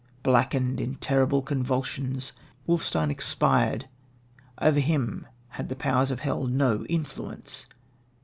Blackened in terrible convulsions, Wolfstein expired; over him had the power of hell no influence.